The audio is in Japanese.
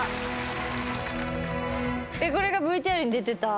これがＶＴＲに出てた。